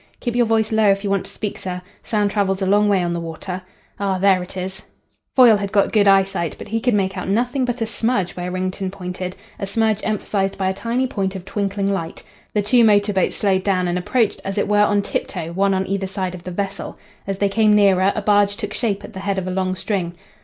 Keep your voice low if you want to speak, sir. Sound travels a long way on the water. Ah, there it is." Foyle had got good eyesight, but he could make out nothing but a smudge where Wrington pointed a smudge emphasised by a tiny point of twinkling light. The two motor boats slowed down and approached, as it were, on tiptoe one on either side of the vessel. As they came nearer a barge took shape at the head of a long string.